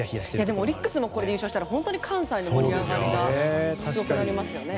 でもオリックスも優勝したら本当に関西の盛り上がりがすごくなりますね。